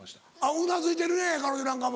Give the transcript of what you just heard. うなずいてるね彼女なんかも。